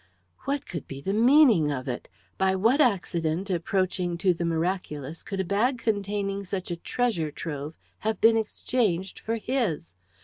What could be the meaning of it? By what accident approaching to the miraculous could a bag containing such a treasure trove have been exchanged for his?